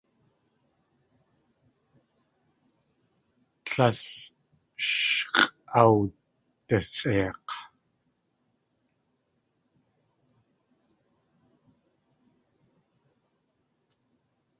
Tlél sh x̲ʼawdasʼeik̲.